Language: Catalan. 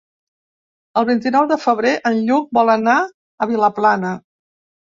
El vint-i-nou de febrer en Lluc vol anar a Vilaplana.